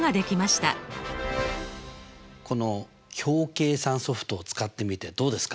この表計算ソフトを使ってみてどうですか？